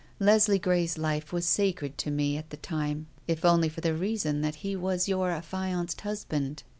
Leslie Grey's life was sacred to me at the time if only for the reason that he was your affianced husband.